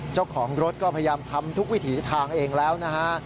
เจ้าของรถก็พยายามทำทุกวิถีทางเองแล้วนะฮะ